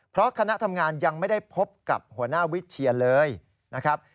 เพราะคณะทำงานยังไม่ได้พบกับหัวหน้าวิเชียนเลยนะครับ